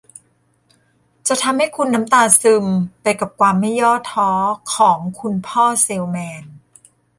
จะทำให้คุณน้ำตาซึมไปกับความไม่ย่อท้อของคุณพ่อเซลส์แมน